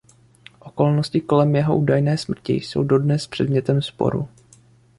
Okolnosti kolem jeho údajné smrti jsou dodnes předmětem sporu.